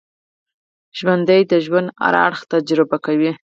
ژوندي د ژوند هر اړخ تجربه کوي